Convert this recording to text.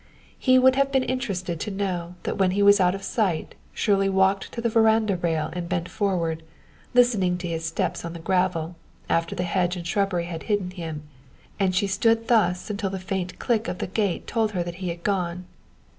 He would have been interested to know that when he was out of sight Shirley walked to the veranda rail and bent forward, listening to his steps on the gravel, after the hedge and shrubbery had hidden him. And she stood thus until the faint click of the gate told her that he had gone.